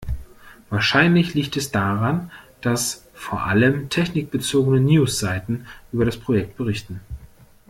Wahrscheinlich liegt es daran, dass vor allem technikbezogene News-Seiten über das Projekt berichten.